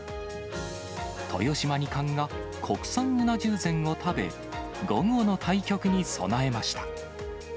豊島二冠が、国産うな重膳を食べ、午後の対局に備えました。